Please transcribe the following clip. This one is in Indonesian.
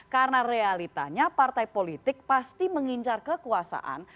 karena realitanya partai politik pasti mengincar kekuasaan